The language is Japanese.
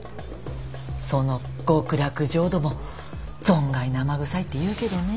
その極楽浄土も存外生臭いっていうけどねぇ。